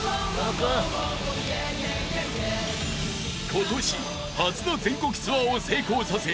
［今年初の全国ツアーを成功させ